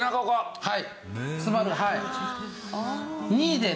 はい。